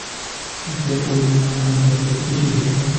তাকে ওই নামে না ডাকলেই খুশি হতাম।